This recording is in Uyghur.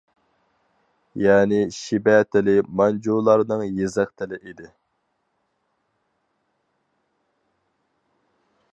يەنى شىبە تىلى مانجۇلارنىڭ يېزىق تىلى ئىدى.